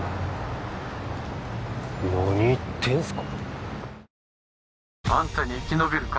何言ってんすか？